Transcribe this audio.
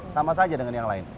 sama saja dengan yang lain